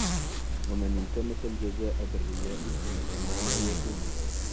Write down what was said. وَمَنْ الْتَمَسَ الْجَزَاءَ بِالرِّيَاءِ الْتَمَسَ مَا لَا يَكُونُ